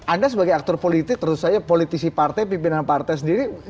anda sebagai aktor politik menurut saya politisi partai pimpinan partai sendiri